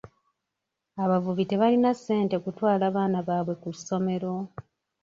Abavubi tebalina ssente kutwala baana baabwe ku ssomero.